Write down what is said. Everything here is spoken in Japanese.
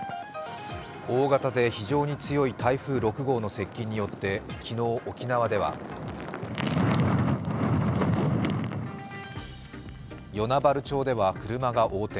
大型で非常に強い台風６号の接近によって昨日、沖縄では与那原町では車が横転。